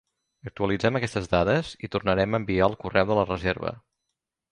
Actualitzem aquestes dades i tornarem a enviar el correu de la reserva.